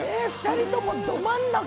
２人ともど真ん中。